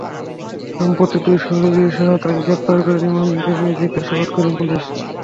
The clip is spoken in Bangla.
সম্প্রতি দুই সহযোগীসহ তাঁকে গ্রেপ্তার করে রিমান্ডে নিয়ে জিজ্ঞাসাবাদ করে পুলিশ।